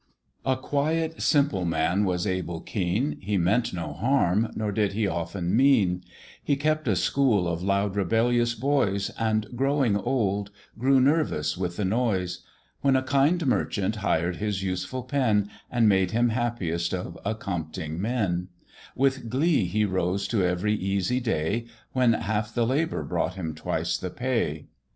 A QUIET, simple man was Abel Keene, He meant no harm, nor did he often mean; He kept a school of loud rebellious boys, And growing old, grew nervous with the noise; When a kind merchant hired his useful pen, And made him happiest of accompting men; With glee he rose to every easy day, When half the labour brought him twice the pay.